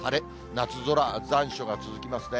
夏空、残暑が続きますね。